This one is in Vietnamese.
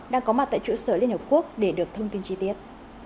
đang có mặt tại trụ sở liên hợp quốc để được thông tin chi tiết